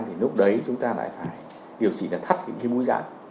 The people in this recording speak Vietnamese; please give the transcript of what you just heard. thì lúc đấy chúng ta lại phải điều trị là thắt những cái mũi rã